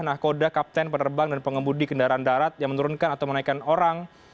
nah koda kapten penerbang dan pengemudi kendaraan darat yang menurunkan atau menaikkan orang